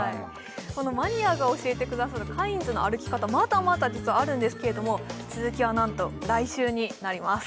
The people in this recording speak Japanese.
そのマニアが教えてくださるカインズの歩き方まだまだ実はあるんですけれども続きはなんと来週になります